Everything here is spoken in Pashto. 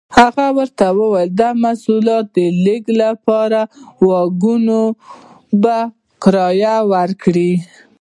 هغه ورته وویل د محصولاتو لېږد لپاره واګونونه په کرایه ورکړي.